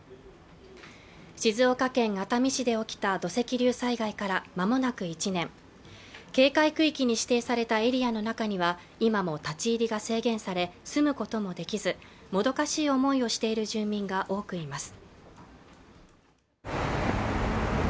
静岡県熱海市で起きた土石流災害からまもなく１年警戒区域に指定されたエリアの中には今も立ち入りが制限され住むこともできずもどかしい思いをしている住民が多くいます